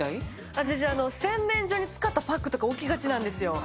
私、洗面所に使ったパックとか置きがちなんですよ。